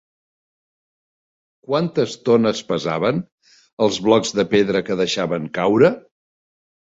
Quantes tones pesaven els blocs de pedra que deixaven caure?